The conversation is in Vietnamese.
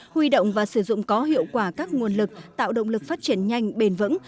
huy động và sử dụng có hiệu quả các nguồn lực tạo động lực phát triển nhanh bền vững